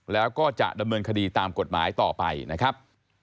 แล้วก็จะดำเนินคดีตามกฎหมายต่อไปนะครับ